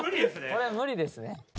これは無理ですね。